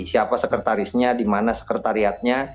siapa sekretarisnya di mana sekretariatnya